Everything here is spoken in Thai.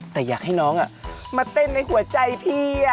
แต่อยากให้น้องมาเต้นในหัวใจพี่